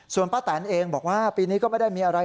ส่วนป้าแตนเองบอกว่าปีนี้ก็ไม่ได้มีอะไร